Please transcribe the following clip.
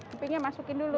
empingnya dimasukin dulu